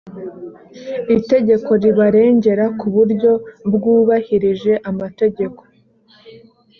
itegeko ribarengera ku buryo bwubahirije amategeko